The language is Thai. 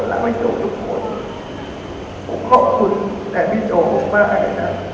ผมขอบคุณแหละพี่โจมผมมากเลยนะ